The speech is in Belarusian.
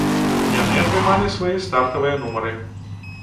Яны атрымалі свае стартавыя нумары.